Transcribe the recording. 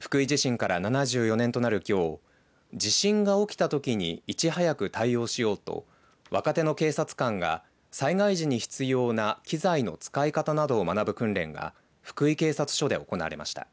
福井地震から７４年となるきょう地震が起きたときにいち早く対応しようと若手の警察官が災害時に必要な機材の使い方などを学ぶ訓練が福井警察署で行われました。